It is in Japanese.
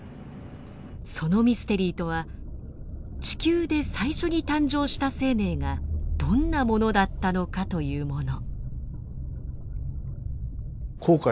そのミステリーとは地球で最初に誕生した生命がどんなものだったのかというもの。